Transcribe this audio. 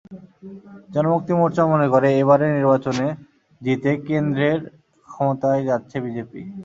জনমুক্তি মোর্চা মনে করে, এবারে নির্বাচনে জিতে কেন্দ্রের ক্ষমতায় যাচ্ছে বিজেপি।